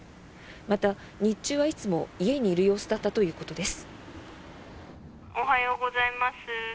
また、日中はいつも家にいる様子だったということです。